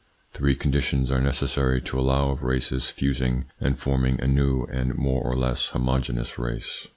Three conditions are necessary to allow of races fusing and forming a new and more or less homo "geneous race.